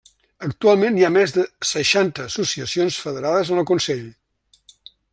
Actualment, hi ha més de seixanta associacions federades en el consell.